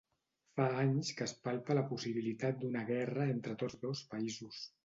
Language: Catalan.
Fa anys que es palpa la possibilitat d’una guerra entre tots dos països.